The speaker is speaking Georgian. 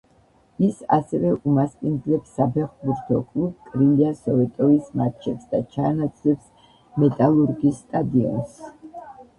ის ასევე უმასპინძლებს საფეხბურთო კლუბ კრილია სოვეტოვის მატჩებს და ჩაანაცვლებს მეტალურგის სტადიონს.